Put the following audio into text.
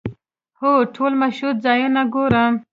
هو، ټول مشهور ځایونه ګورم